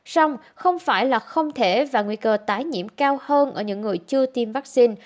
xong không phải là không thể và nguy cơ tái nhiễm cao hơn ở những người chưa tiêm vaccine